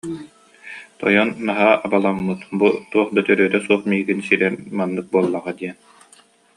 Тойон наһаа абаламмыт, бу туох да төрүөтэ суох миигин сирэн маннык буоллаҕа диэн